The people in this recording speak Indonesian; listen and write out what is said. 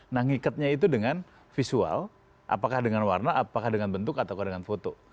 nah ngikatnya itu dengan visual apakah dengan warna apakah dengan bentuk atau dengan foto